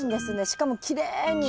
しかもきれいに。